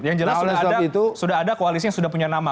yang jelas sudah ada koalisi yang sudah punya nama